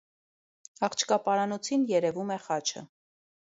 Աղջկա պարանոցին երևում է խաչը։